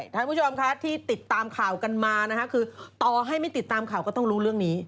คุณผู้ชมค่ะที่ติดตามข่าวกันมานะคะคือต่อให้ไม่ติดตามข่าวก็ต้องรู้เรื่องนี้